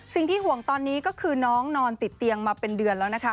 สิ่งที่ห่วงตอนนี้ก็คือน้องนอนติดเตียงมาเป็นเดือนแล้วนะคะ